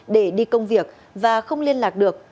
để đi công việc và không liên lạc được